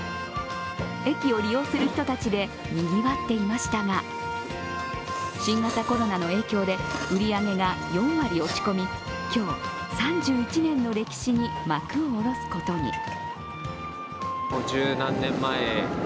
駅を利用する人たちでにぎわっていましたが、新型コロナの影響で売り上げが４割落ち込み、今日、３１年の歴史に幕を下ろすことに。